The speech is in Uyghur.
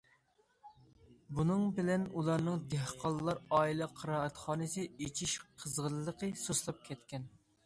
بۇنىڭ بىلەن ئۇلارنىڭ‹‹ دېھقانلار ئائىلە قىرائەتخانىسى›› ئېچىش قىزغىنلىقى سۇسلاپ كەتكەن.